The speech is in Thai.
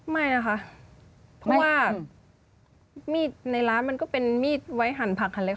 ไม่นะคะเพราะว่ามีดในร้านมันก็เป็นมีดไว้หั่นผักหันเล็ก